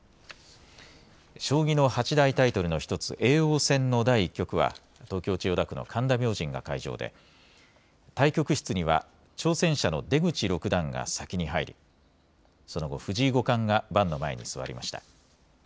将棋の八大タイトルの１つ、叡王戦の第１局は東京千代田区の神田明神が会場で対局室には挑戦者の出口六段が先に入り、その後、藤井五冠が盤の前に座りました。